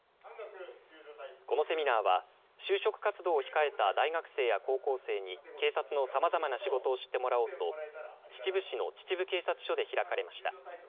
このセミナーは、就職活動を控えた大学生や高校生に、警察のさまざまな仕事を知ってもらおうと、秩父市の秩父警察署で開かれました。